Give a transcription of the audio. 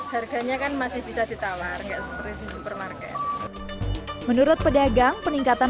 harganya kan masih bisa ditawar enggak seperti di supermarket menurut pedagang peningkatan